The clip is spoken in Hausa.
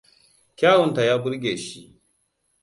Kyawunta ya burge shi.